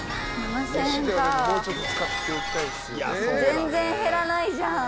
全然減らないじゃん。